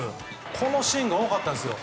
このシーンが多かったんですよ。